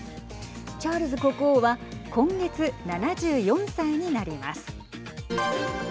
チャールズ国王は今月７４歳になります。